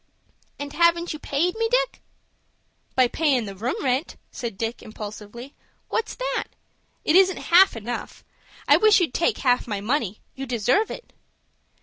"And haven't you paid me, Dick?" "By payin' the room rent," said Dick, impulsively. "What's that? It isn't half enough. I wish you'd take half my money; you deserve it."